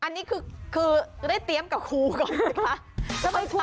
อันนี้คือได้เตรียมกับครูก่อนสิคะ